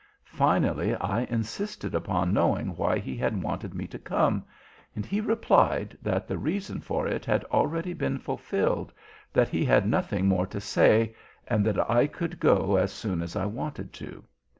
Finally I insisted upon knowing why he had wanted me to come, and he replied that the reason for it had already been fulfilled, that he had nothing more to say, and that I could go as soon as I wanted to.